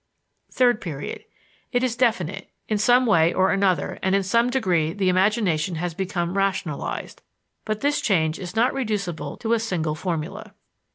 Third Period. It is definite: in some way or another and in some degree the imagination has become rationalized, but this change is not reducible to a single formula.